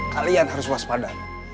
kalian harus waspada